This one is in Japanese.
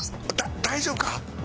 大丈夫か？